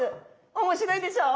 面白いでしょう？